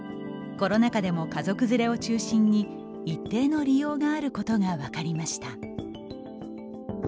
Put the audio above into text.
コロナ禍でも家族連れを中心に一定の利用があることが分かりました。